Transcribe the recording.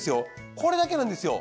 これだけなんですよ。